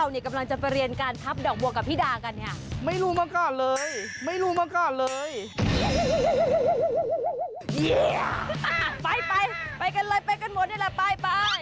นี่มันเซลปในโซเชียลมีเดีย